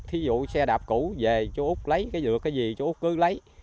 thí dụ xe đạp cũ về chú úc lấy cái được cái gì chú úc cứ lấy